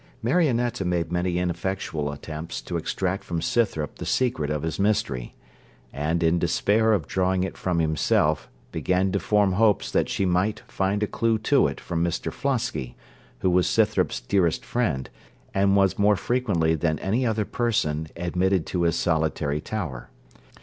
Marionetta made many ineffectual attempts to extract from Scythrop the secret of his mystery; and, in despair of drawing it from himself, began to form hopes that she might find a clue to it from Mr Flosky, who was Scythrop's dearest friend, and was more frequently than any other person admitted to his solitary tower.